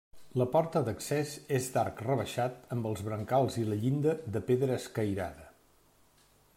La porta d'accés és d'arc rebaixat, amb els brancals i la llinda de pedra escairada.